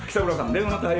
電話の対応